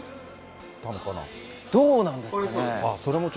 どうなんですかね。